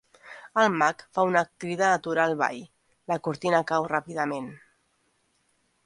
El mag fa una crida a aturar el ball; la cortina cau ràpidament.